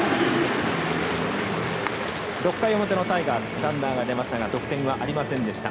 ６回表のタイガースランナー出ましたが得点はありませんでした。